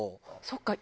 そっか。